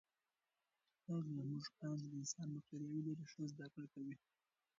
هغه موږکان چې د انسان بکتریاوې لري، ښه زده کړه کوي.